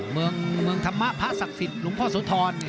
เมืองธรรมะพระศักดิ์สิทธิ์หลวงพ่อโสธร